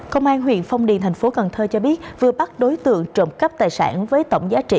công an huyện phong điền thành phố cần thơ cho biết vừa bắt đối tượng trộm cắp tài sản với tổng giá trị